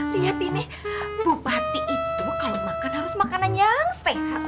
lihat ini bupati itu kalau makan harus makanan yang sehat